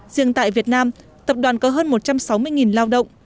riêng tại việt nam tập đoàn có hơn một trăm sáu mươi lao động